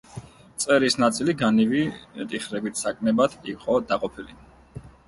წვერის ნაწილი განივი ტიხრებით საკნებად იყო დაყოფილი.